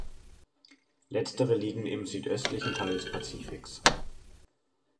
Letztere liegen im südöstlichen Teil des Pazifiks.